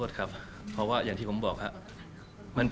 ขอโทษครับเพราะว่าอย่างที่ผมบอกฮะ